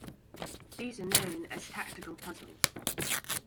These are known as tactical puzzles.